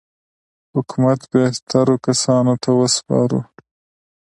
حکومت بهترو کسانو ته وسپارو.